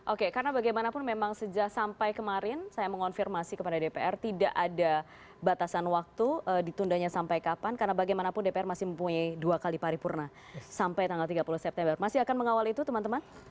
oke karena bagaimanapun memang sejak sampai kemarin saya mengonfirmasi kepada dpr tidak ada batasan waktu ditundanya sampai kapan karena bagaimanapun dpr masih mempunyai dua kali paripurna sampai tanggal tiga puluh september masih akan mengawal itu teman teman